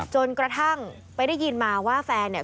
จนกระทั่งไปได้ยินมาว่าแฟนเนี่ย